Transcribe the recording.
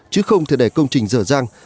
chứ không thể để công trình dở dang